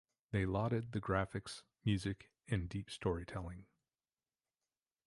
They lauded the graphics, music, and deep storytelling.